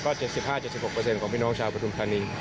ก็๗๕๗๖ของพี่น้องชาวปฐุมธานี